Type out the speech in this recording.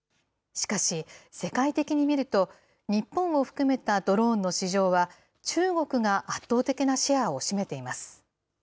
しかし、世界的に見ると、日本を含めたドローンの市場は、中国が圧倒的なシェアを占めています。